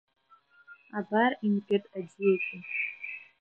Абар Инкьыт аӡиагьы.